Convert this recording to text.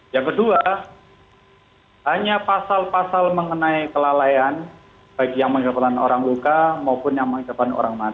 yang kedua hanya pasal pasal mengenai kelalaian bagi yang mengikapkan orang luka maupun yang mengikapkan orang mas